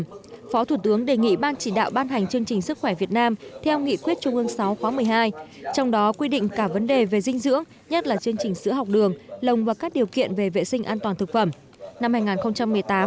trong đó phó thủ tướng đề nghị ban chỉ đạo ban hành chương trình sức khỏe việt nam theo nghị quyết trung ương sáu khóa một mươi hai trong đó quy định cả vấn đề về dinh dưỡng nhất là chương trình sữa học đường lồng vào các điều kiện về vệ sinh an toàn thực phẩm